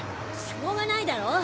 しょうがないだろ。